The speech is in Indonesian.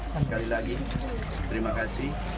sekali lagi terima kasih